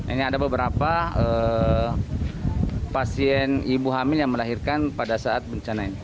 ini ada beberapa pasien ibu hamil yang melahirkan pada saat bencana ini